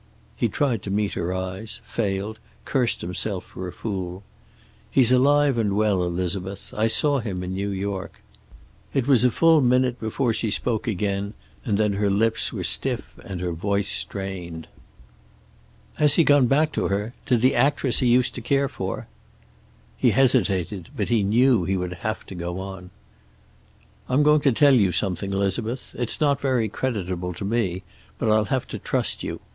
He tried to meet her eyes, failed, cursed himself for a fool. "He's alive and well, Elizabeth. I saw him in New York." It was a full minute before she spoke again, and then her lips were stiff and her voice strained. "Has he gone back to her? To the actress he used to care for?" He hesitated, but he knew he would have to go on. "I'm going to tell you something, Elizabeth. It's not very creditable to me, but I'll have to trust you.